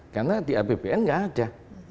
karena di apbn nggak ada